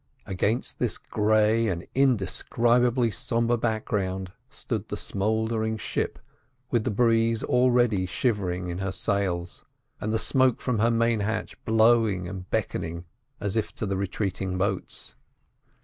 Against this grey and indescribably sombre background stood the smouldering ship with the breeze already shivering in her sails, and the smoke from her main hatch blowing and beckoning as if to the retreating boats.